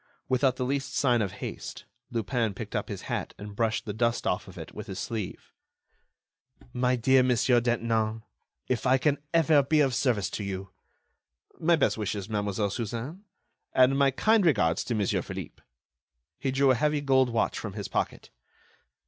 Without the least sign of haste, Lupin picked up his hat and brushed the dust from off it with his sleeve. "My dear Monsieur Detinan, if I can ever be of service to you.... My best wishes, Mademoiselle Suzanne, and my kind regards to Monsieur Philippe." He drew a heavy gold watch from his pocket.